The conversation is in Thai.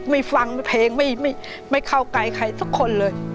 ไม่ฟังเพลงไม่เข้าไกลใครสักคนเลย